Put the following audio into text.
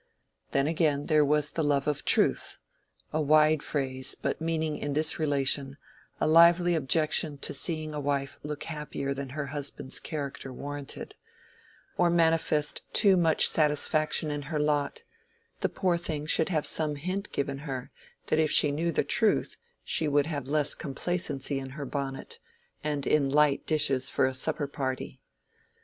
Then, again, there was the love of truth—a wide phrase, but meaning in this relation, a lively objection to seeing a wife look happier than her husband's character warranted, or manifest too much satisfaction in her lot—the poor thing should have some hint given her that if she knew the truth she would have less complacency in her bonnet, and in light dishes for a supper party.